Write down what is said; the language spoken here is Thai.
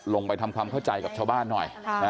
ลงไปทำความเข้าใจกับชาวบ้านหน่อย